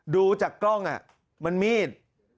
ดูจากกล้องมันมีด